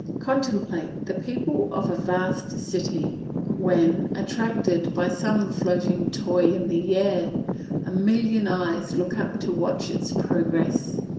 Contemplate the people of a vast city when, attracted by some floating toy in the air, a million eyes look up to watch its progress.